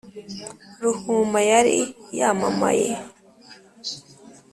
ruhuma yari yamamaye